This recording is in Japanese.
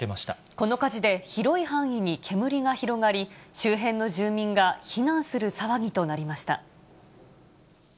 この火事で、広い範囲に煙が広がり、周辺の住民が避難する騒ぎとなりました。